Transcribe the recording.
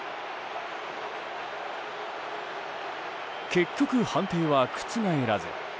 結局、判定は覆らず。